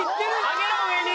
上げろ上に！